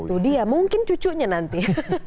itu dia mungkin cucunya nanti